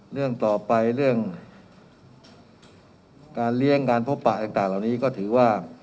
เรื่องต่อไปเรื่องการเลี้ยงการพบปะต่างเหล่านี้ก็ถือว่า